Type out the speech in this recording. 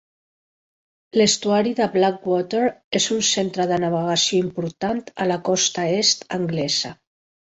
L'estuari de Blackwater és un centre de navegació important a la costa est anglesa.